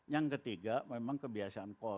yang ketiga memang kebiasaan